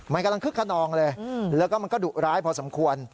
มันกำลังคึกขนองเลยแล้วก็มันก็ดุร้ายพอสมควร